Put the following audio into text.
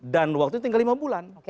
dan waktu itu tinggal lima bulan